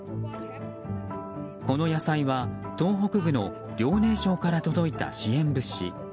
この野菜は、東北部の遼寧省から届いた支援物資。